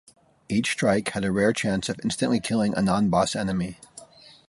Each strike had a rare chance of instantly killing a non-boss enemy.